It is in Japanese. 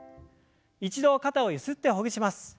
一度肩をゆすってほぐします。